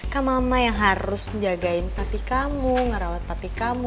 kan mama yang harus jagain papi kamu ngerawat papi kamu